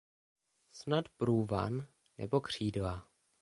Snad průvan, nebo křídla.